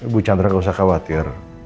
bu chandra gak usah khawatir